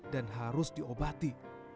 dan harus diobati